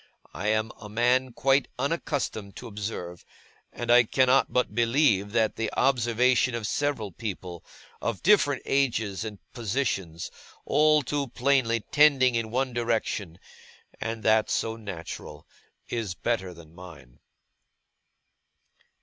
I am a man quite unaccustomed to observe; and I cannot but believe that the observation of several people, of different ages and positions, all too plainly tending in one direction (and that so natural), is better than mine.